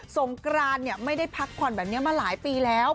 งกรานไม่ได้พักผ่อนแบบนี้มาหลายปีแล้ว